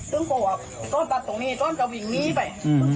ซึ่งพ่ออ่ะต้นปัดตรงนี้ต้นก็วิ่งนี้ไปอืม